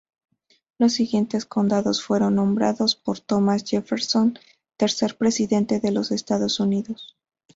Los siguientes condados fueron nombrados por Thomas Jefferson, tercer Presidente de los Estados Unidos.